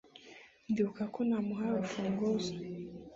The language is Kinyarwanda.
Ndibuka ko namuhaye urufunguzo